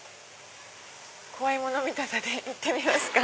怖いもの見たさで行ってみますか。